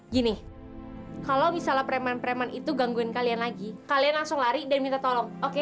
gini kalau misalnya preman preman itu gangguin kalian lagi kalian langsung lari dan minta tolong oke